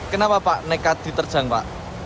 kenapa pak nekat diterjang pak